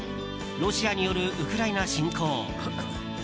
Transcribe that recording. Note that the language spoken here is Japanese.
ロシアによるウクライナ侵攻。